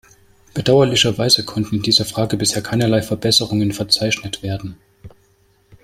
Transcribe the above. Bedauerlicherweise konnten in dieser Frage bisher keinerlei Verbesserungen verzeichnet werden.